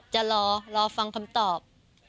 จะรอฟังคำตอบ